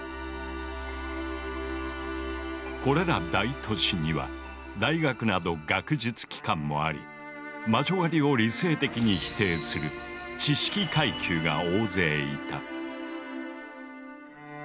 これら大都市には大学など学術機関もあり魔女狩りを理性的に否定する知識階級が大勢いた。